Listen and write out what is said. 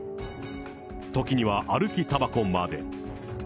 ときには歩きたばこまで。